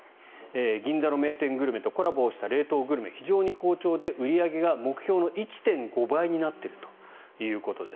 銀座の名店グルメとコラボした冷凍グルメが非常に好調で売り上げが目標の１．５倍になっているということです。